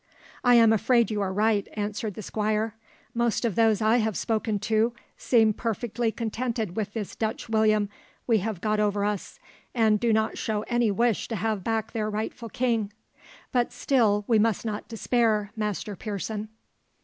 "I am afraid you are right," answered the Squire. "Most of those I have spoken to seem perfectly contented with this Dutch William we have got over us, and do not show any wish to have back their rightful king. But still we must not despair, Master Pearson."